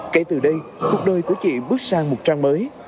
kể từ đây cuộc đời của chị bước sang một trang mới